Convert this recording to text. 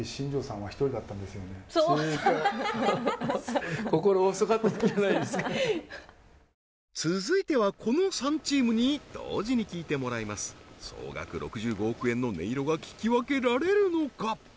はっ続いてはこの３チームに同時に聴いてもらいます総額６５億円の音色が聞き分けられるのか？